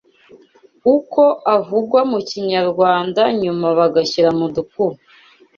uko avugwa mu Kinyarwanda nyuma bagashyira mu dukubo